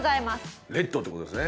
レッドって事ですね。